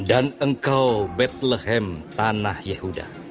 dan engkau bethlehem tanah yahuda